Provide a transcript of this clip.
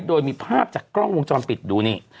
โดยมีภาพจากกล้องวงจรปิดดูนี่